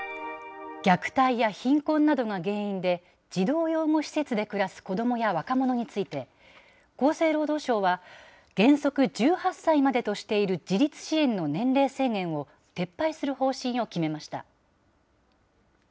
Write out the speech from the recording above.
虐待や貧困などが原因で、児童養護施設で暮らす子どもや若者について、厚生労働省は、原則１８歳までとしている自立支援の年齢制限を撤廃する方針を決めました。